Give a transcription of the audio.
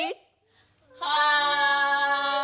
はい！